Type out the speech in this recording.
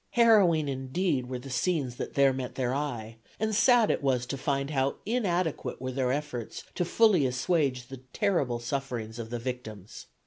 Harrowing, indeed, were the scenes that there met their eye, and sad it was to find how inadequate were their efforts to fully assuage the terrible sufferings of the victims.